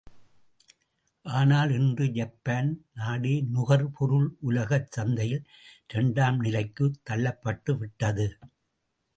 ஆனால் இன்று ஜப்பான் நாடே நுகர் பொருள் உலகச் சந்தையில் இரண்டாம் நிலைக்குத் தள்ளப்பட்டு விட்டது.